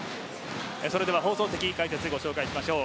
それでは放送席解説をご紹介しましょう。